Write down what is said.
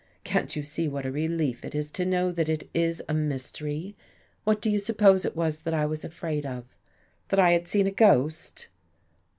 Can't you see what a relief it is to know that it is a mystery? What do you sup pose it was that I was afraid of? That I had seen a ghost?